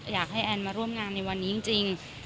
อยากให้แอนมาร่วมงานในวันนี้จริง